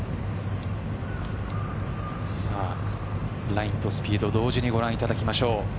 ラインとスピード同時にご覧いただきましょう。